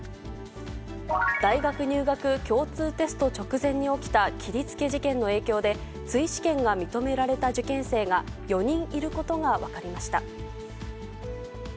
大学入学共通テスト直前に起きた切りつけ事件の影響で、追試験が認められた受験生が４人いることが分かりました。